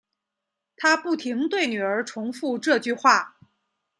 她不停对女儿重复这句话